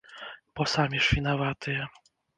Бо самі ж вінаватыя!